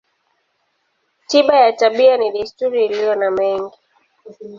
Tiba ya tabia ni desturi iliyo na mengi.